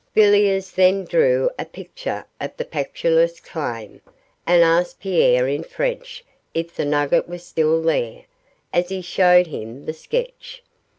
Villiers then drew a picture of the Pactolus claim, and asked Pierre in French if the nugget was still there, as he showed him the sketch.